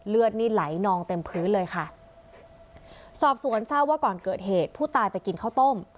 เลือดนี่ไหลนองเต็มพื้นเลยค่ะสอบสวนทราบว่าก่อนเกิดเหตุผู้ตายไปกินข้าวต้ม